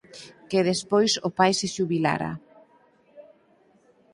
Que despois o pai se xubilara.